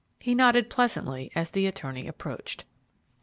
He nodded pleasantly as the attorney approached.